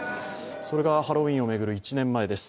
それがハロウィーンを巡る１年前です。